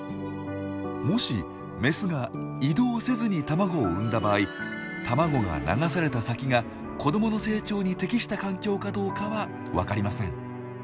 もしメスが移動せずに卵を産んだ場合卵が流された先が子どもの成長に適した環境かどうかはわかりません。